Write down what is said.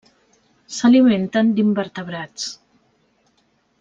S'alimenten d'invertebrats.